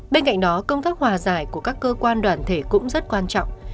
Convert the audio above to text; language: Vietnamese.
bên cạnh đó công tác hòa giải của các cơ quan đoàn thể cũng rất quan trọng